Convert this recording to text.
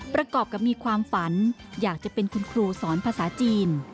ประกอบกับมีความฝันอยากจะเป็นคุณครูสอนภาษาจีน